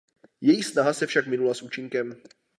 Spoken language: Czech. Její snaha se však minula s účinkem.